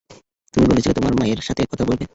তুমি বলেছিলে তোমার মায়ের সাথে কথা বলবে।